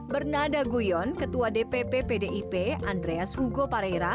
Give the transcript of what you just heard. bernada guyon ketua dpp pdip andreas hugo pareira